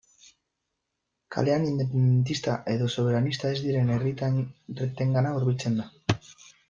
Kalean independentista edo soberanista ez diren herritarrengana hurbiltzen da.